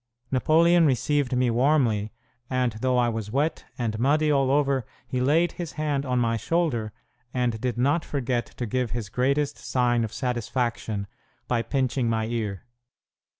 Napoleon received me warmly, and though I was wet and muddy all over, he laid his hand on my shoulder, and did not forget to give his greatest sign of satisfaction by pinching my ear.